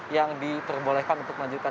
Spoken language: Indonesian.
yang diperbolehkan untuk kemanjukan